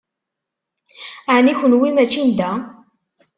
Ɛni kenwi mačči n da?